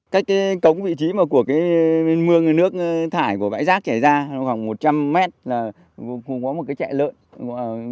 cái cống vị trí của cái nguồn nước thải của bãi giác chảy ra khoảng một trăm linh mét là có một cái chạy lợn